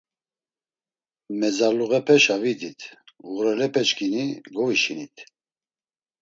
Mezarluğepeşa vidit, ğurelepeçkini govişinit.